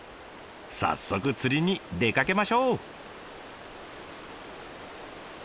早速釣りに出かけましょう！